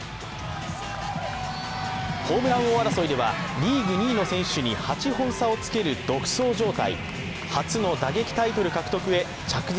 ホームラン王争いでは、リーグ２位の選手に８本差をつける独走状態。